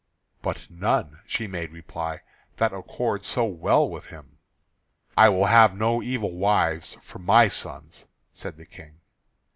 "But none," she made reply, "that accord so well with him." "I will have no evil wives for my sons," said the King.